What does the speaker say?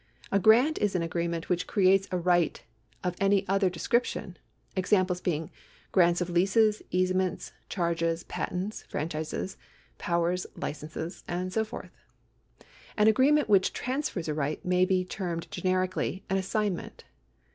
A grant is an agreement which creates a right of any other description ; examples being grants of leases, easements, charges, patents, franchises, powers, licences, and so forth. An agreement which trans fers a right may be termed generically an assignment.